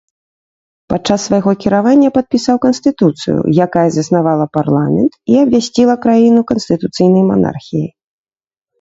Падчас свайго кіравання падпісаў канстытуцыю, якая заснавала парламент і абвясціла краіну канстытуцыйнай манархіяй.